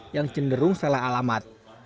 yang cenderung salah alamat